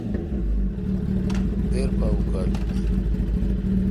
دیر پا اوکالوں ا۔